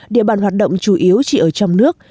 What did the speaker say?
địa bàn hoạt động chủ yếu chỉ ở trong nước